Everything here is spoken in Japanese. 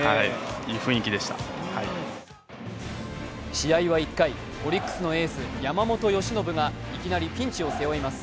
試合は１回、オリックスのエース山本由伸がいきなりピンチを背負います。